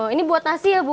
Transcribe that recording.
ini buat nasi ya bu